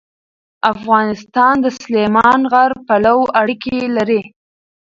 افغانستان د سلیمان غر پلوه اړیکې لري.